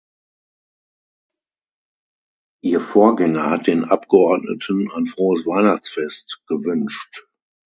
Ihr Vorgänger hat den Abgeordneten ein frohes Weihnachtsfest gewünscht.